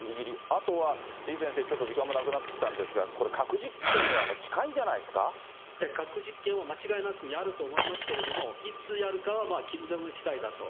あとは、李先生、ちょっと時間もなくなってきたんですが、これ、核実験は間違いなくやると思いますけども、いつやるかはキム・ジョンウンしだいだと。